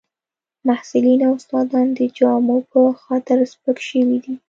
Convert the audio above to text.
محصلین او استادان د جامو په خاطر سپک شوي دي